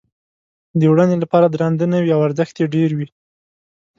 د وړنې لپاره درانده نه وي او ارزښت یې ډېر وي.